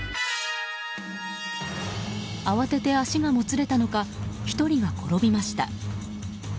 慌てて足がもつれたのか１人が転びました。